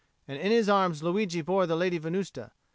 And in his arms Luigi bore the Lady Venusta.